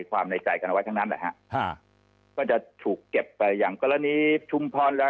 ความในใจกันเอาไว้ทั้งนั้นล่ะเพื่อจะถูกเก็บอย่างกรณีชุมพร